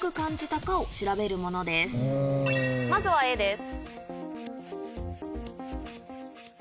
まずはＡです。